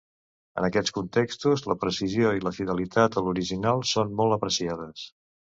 En aquests contextos, la precisió i la fidelitat a l'original són molt apreciades.